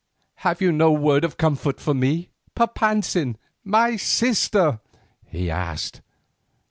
"Have you no word of comfort for me, Papantzin, my sister?" he asked.